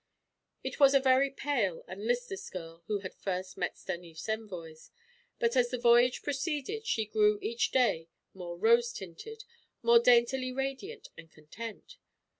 It was a very pale and listless girl who had first met Stanief's envoys, but as the voyage proceeded she grew each day more rose tinted, more daintily radiant and content.